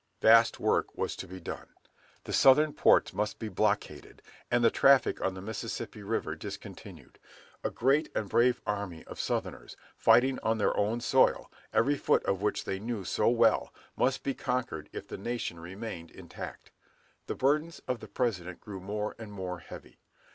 Vast work was to be done. The Southern ports must be blockaded, and the traffic on the Mississippi River discontinued. A great and brave army of Southerners, fighting on their own soil, every foot of which they knew so well, must be conquered if the nation remained intact. The burdens of the President grew more and more heavy.